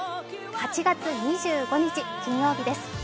８月２５日金曜日です。